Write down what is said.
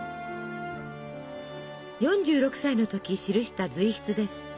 ４６歳の時記した随筆です。